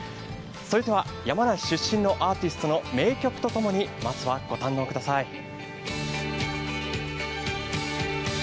それでは、山梨出身のアーティストの名曲とともにまずはご堪能ください。